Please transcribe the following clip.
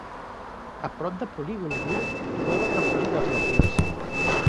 A prop de Polygon Wood, trobem el refugi dels vampirs.